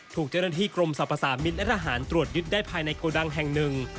ถูกเจ้าหน้าที่กรมสรรพสามิตรและทหารตรวจยึดได้ภายในโกดังแห่งหนึ่ง